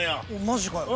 マジかよ。